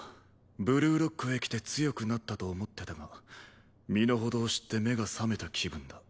ブルーロックへ来て強くなったと思ってたが身の程を知って目が覚めた気分だ。